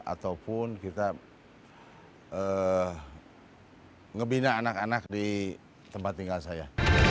ataupun kita ngebina anak anak di tempat tinggal saya